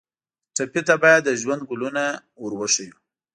ټپي ته باید د ژوند ګلونه ور وښیو.